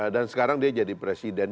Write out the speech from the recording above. dan sekarang dia jadi presiden